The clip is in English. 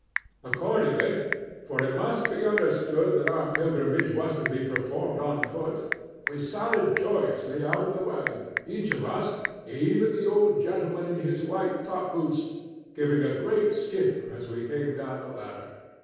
Accordingly—for it must be understood that our pilgrimage was to be performed on foot—we sallied joyously out of the wagon, each of us, even the old gentleman in his white top boots, giving a great skip as we came down the ladder.